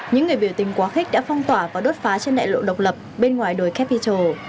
những người biểu tình quá khích đã phong tỏa và đốt phá trên đại lộ độc lập bên ngoài đồi capital